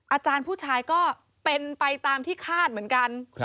อาจารย์ผู้ชายก็เป็นไปตามที่คาดเหมือนกัน